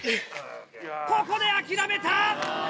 ここで諦めた！